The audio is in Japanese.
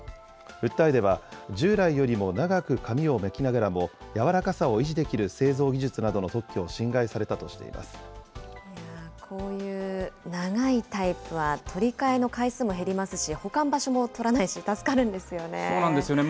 訴えでは、従来よりも長く紙を巻きながらも、柔らかさを維持できる製造技術の特許などを侵害されたとしていまこういう長いタイプは取り換えの回数も減りますし、保管場所も取らないし、助かるんですよね。